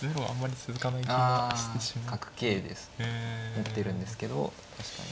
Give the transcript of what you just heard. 持ってるんですけど確かに。